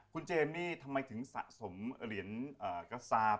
คุณเจมส์นี่ทำไมถึงสะสมเหรียญกระสาป